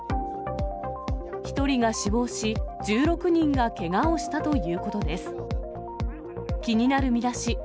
１人が死亡し、１６人がけがをしたということです。